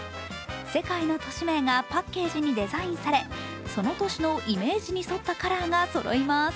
世界の都市名がパッケージにデザインされ、その都市のイメージに沿ったカラーがそろいます。